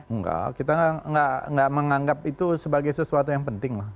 enggak kita nggak menganggap itu sebagai sesuatu yang penting lah